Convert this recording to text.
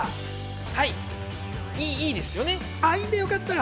はい、いいですよね？